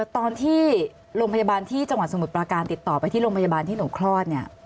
ตอนที่โรงพยาบาลที่จังหวัดสมุทรปราการติดต่อไปที่โรงพยาบาลที่หนูคลอดเนี่ย